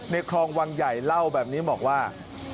คลองวังใหญ่เล่าแบบนี้บอกว่า